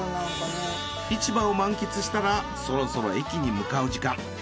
市場を満喫したらそろそろ駅に向かう時間。